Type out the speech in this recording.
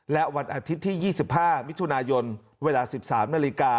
และวันอาทิตย์ที่๒๕มิถุนายนเวลา๑๓นาฬิกา